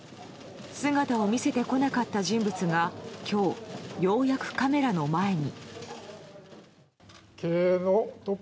姿を見せてこなかった人物が今日、ようやくカメラの前に。